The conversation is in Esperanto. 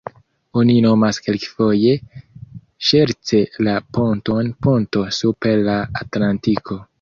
Oni nomas kelkfoje, ŝerce la ponton ponto super la Atlantiko.